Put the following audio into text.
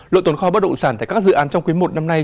lượng tồn kho bất động sản tại các dự án trong quý một năm nay